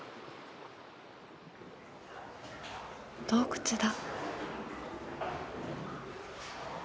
洞窟だ。